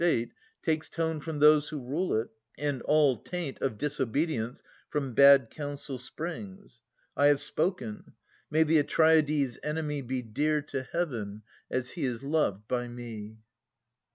387 416] Philodetes 281 Takes tone from those who rule it, and all taint Of disobedience from bad counsel springs. I have spoken. May the Atreidae's enemy Be dear to Heaven, as he is loved by me